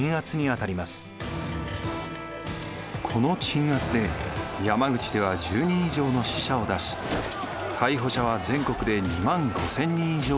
この鎮圧で山口では１０人以上の死者を出し逮捕者は全国で２５０００人以上に上りました。